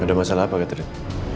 ada masalah apa kak tidik